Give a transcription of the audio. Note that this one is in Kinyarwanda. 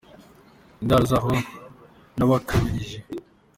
Indaro zaho ntabakabirije